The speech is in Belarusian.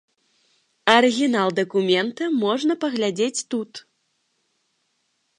Арыгінал дакумента можна паглядзець тут.